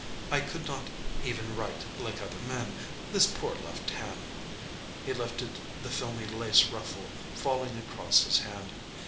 I could not even write like other men this poor left hand." He lifted the filmy lace ruffle falling across his hand.